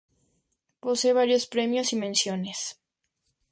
Posee varios premios y menciones.